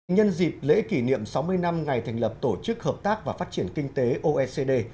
nhân dịp lễ kỷ niệm sáu mươi năm ngày thành lập tổ chức hợp tác và phát triển kinh tế oecd